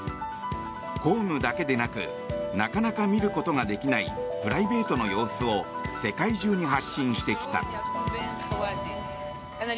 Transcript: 公務だけでなくなかなか見ることができないプライベートの様子を世界中に発信してきた。